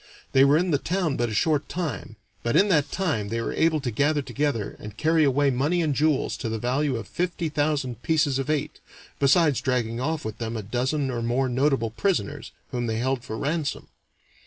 They were in the town but a short time, but in that time they were able to gather together and to carry away money and jewels to the value of fifty thousand pieces of eight, besides dragging off with them a dozen or more notable prisoners, whom they held for ransom.